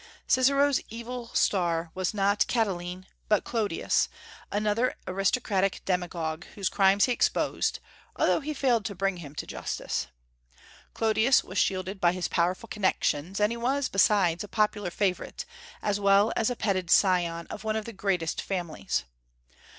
Cicero's evil star was not Catiline, but Clodius, another aristocratic demagogue whose crimes he exposed, although he failed to bring him to justice. Clodius was shielded by his powerful connections; and he was, besides, a popular favorite, as well as a petted scion of one of the greatest families.